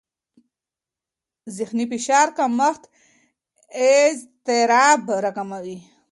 ذهني فشار کمښت اضطراب راکموي.